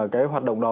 cái hoạt động đó